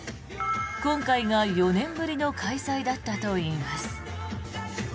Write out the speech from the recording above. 今回が４年ぶりの開催だったといいます。